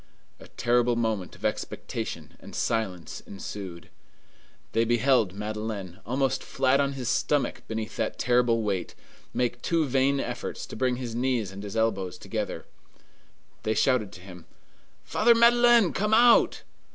A terrible moment of expectation and silence ensued. They beheld Madeleine, almost flat on his stomach beneath that terrible weight, make two vain efforts to bring his knees and his elbows together. They shouted to him, "Father Madeleine, come out!"